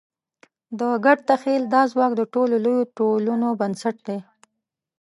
د ګډ تخیل دا ځواک د ټولو لویو ټولنو بنسټ دی.